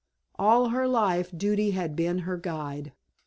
All her life Duty had been her guide.